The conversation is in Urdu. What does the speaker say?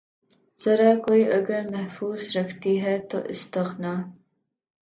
زرہ کوئی اگر محفوظ رکھتی ہے تو استغنا